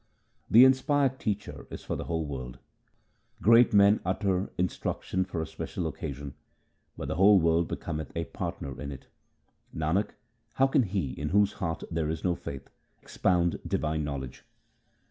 The inspired teacher is for the whole world :— Great men utter instruction for a special occasion, but the whole world becometh a partner in it. Nanak, how can he in whose heart there is no faith, expound divine knowledge